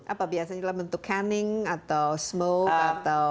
apa biasanya dalam bentuk canning atau smoke atau